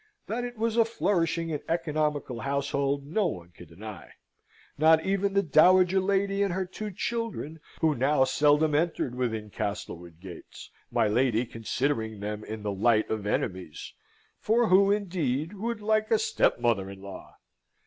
That it was a flourishing and economical household no one could deny: not even the dowager lady and her two children, who now seldom entered within Castlewood gates, my lady considering them in the light of enemies for who, indeed, would like a stepmother in law?